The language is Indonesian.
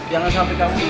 jangan sampai kamu nyesal